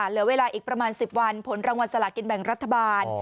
เหลือเวลาอีกประมาณ๑๐วันผลรางวัลสลากินแบ่งรัฐบาล